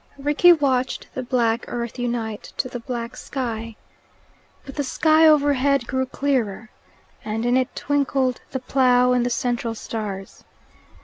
Rickie watched the black earth unite to the black sky. But the sky overhead grew clearer, and in it twinkled the Plough and the central stars.